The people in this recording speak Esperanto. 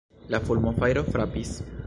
La fulmofajro frapis.